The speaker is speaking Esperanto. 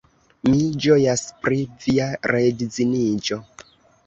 Mi ĝojas pri via reedziniĝo.